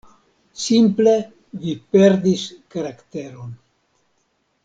Simple vi perdis karakteron.“